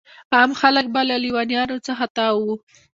عام خلک به له لیونیانو څخه تاو وو.